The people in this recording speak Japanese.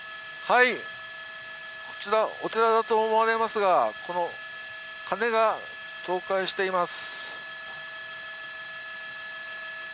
こちら、お寺だと思われますが、この壁が倒壊しています。